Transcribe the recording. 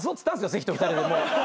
関と２人でもう。